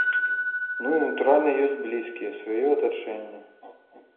Ну, і, натуральна, ёсць блізкія, сваё атачэнне.